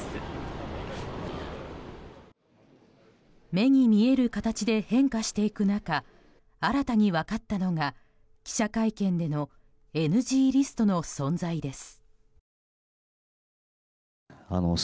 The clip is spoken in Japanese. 目に見える形で変化していく中新たに分かったのが記者会見でのＮＧリストの存在です。